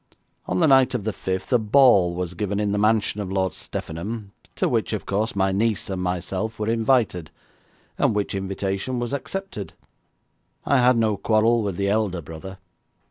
On the night of the fifth a ball was given in the mansion of Lord Steffenham, to which, of course, my niece and myself were invited, and which invitation we accepted. I had no quarrel with the elder brother.